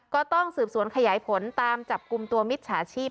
ก็ต้องสืบสวนขยายผลตามจับกลุ่มตัวมิจฉาชีพ